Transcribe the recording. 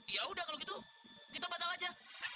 ya udah kalau gitu kita batal aja